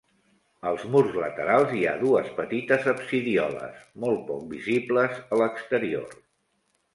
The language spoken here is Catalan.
Als murs laterals hi ha dues petites absidioles, molt poc visibles a l'exterior.